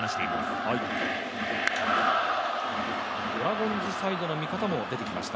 ドラゴンズサイドの見方も出てきました。